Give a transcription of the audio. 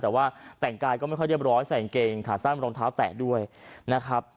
แต่ว่าแต่งกายก็ไม่ค่อยเรียบร้อยใส่กางเกงขาสั้นรองเท้าแตะด้วยนะครับ